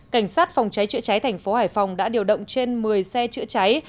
cảnh sát phòng cháy chữa cháy tp hải phòng đã điều động trên một mươi xe chữa cháy